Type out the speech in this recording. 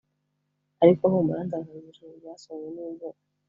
ariko, humura! nzaza mu ijoro ryasomwe n'imvura